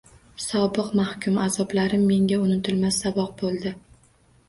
Sobiq mahkum: “Azoblarim menga unutilmas saboq bo‘ldi”